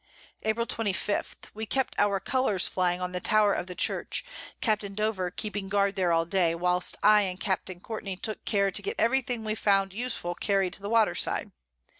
April 25. We kept our Colours flying on the Tower of the Church, Capt. Dover keeping Guard there all Day, whilst I and Capt. Courtney took care to get every thing we found useful carried to the Water side.